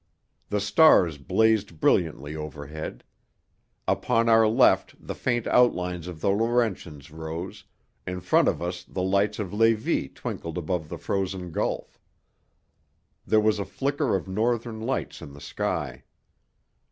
The stars blazed brilliantly overhead; upon our left the faint outlines of the Laurentians rose, in front of us the lights of Levis twinkled above the frozen gulf. There was a flicker of Northern Lights in the sky.